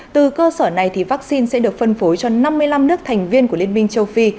từ cơ sở này thì vaccine sẽ được phân phối cho năm mươi năm nước thành viên của liên minh châu phi